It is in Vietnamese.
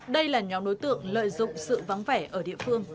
đây là nhóm đối tượng lợi dụng sự vắng vẻ ở địa phương